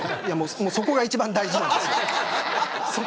そこが一番大事なんです。